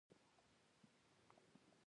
د خوړو له ننوتلو سره سم فعالېږي.